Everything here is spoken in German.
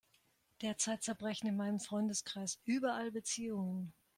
Derzeit zerbrechen in meinem Freundeskreis überall Beziehungen.